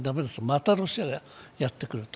またロシアがやってくると。